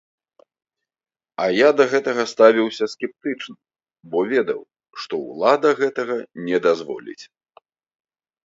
А я да гэтага ставіўся скептычна, бо ведаў, што ўлада гэтага не дазволіць.